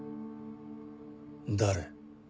誰？